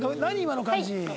今の感じ。